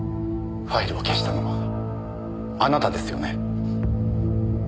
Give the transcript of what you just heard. ファイルを消したのはあなたですよね？